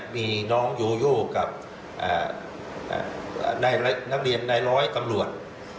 มีน้องโยโยกับนักเรียนในร้อยกำรวจ